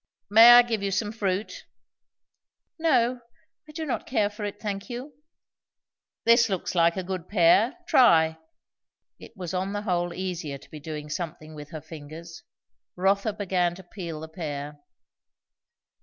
"May I give you some fruit?" "No I do not care for it thank you." "This looks like a good pear. Try." It was on the whole easier to be doing something with her fingers. Rotha began to peal the pear.